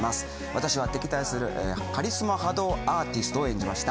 私は敵対するカリスマ波動アーティストを演じました。